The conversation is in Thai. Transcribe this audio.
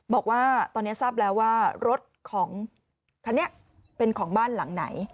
บอกว่าตอนนี้ทราบแล้วว่ารถของคันนี้เป็นของบ้านหลังไหน